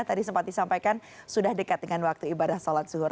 tadi sempat disampaikan sudah dekat dengan waktu ibadah sholat zuhur